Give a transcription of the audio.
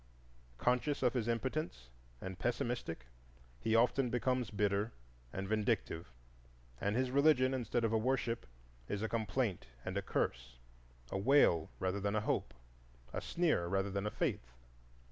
Conscious of his impotence, and pessimistic, he often becomes bitter and vindictive; and his religion, instead of a worship, is a complaint and a curse, a wail rather than a hope, a sneer rather than a faith.